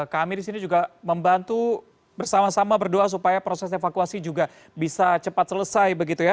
kami di sini juga membantu bersama sama berdoa supaya proses evakuasi juga bisa cepat selesai begitu ya